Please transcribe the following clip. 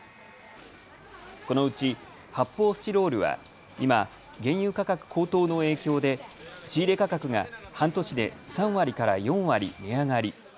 このうち発泡スチロールは今、原油価格高騰の影響で仕入れ価格が半年で３割から４割値上がり。